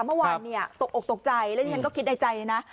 เมื่อวานเนี่ยตกอกตกใจแล้วที่ฉันก็คิดในใจเลยนะ